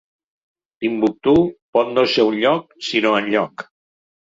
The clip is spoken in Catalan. "Timbuktú" pot no ser un lloc sinó enlloc.